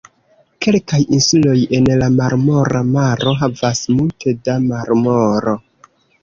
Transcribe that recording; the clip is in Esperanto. Kelkaj insuloj en la Marmora Maro havas multe da marmoro.